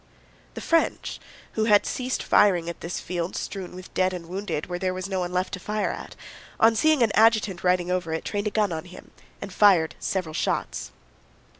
The French, who had ceased firing at this field strewn with dead and wounded where there was no one left to fire at, on seeing an adjutant riding over it trained a gun on him and fired several shots.